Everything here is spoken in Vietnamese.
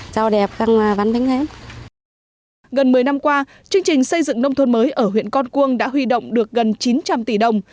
gần một mươi năm qua chương trình xây dựng nông thôn mới ở huyện con cuông đã huy động được gần chín trăm linh tỷ đồng